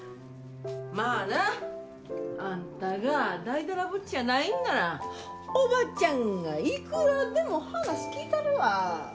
まあなあんたがだいだらぼっちやないんならおばちゃんがいくらでも話聞いたるわ。